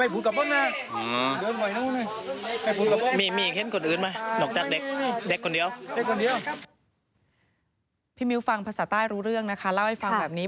พี่มิ้วฟังภาษาใต้รู้เรื่องนะคะเล่าให้ฟังแบบนี้